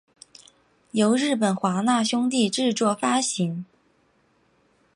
由日本华纳兄弟制作发行。